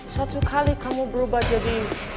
satu kali kamu berubah jadi